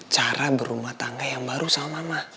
cara berumah tangga yang baru sama mama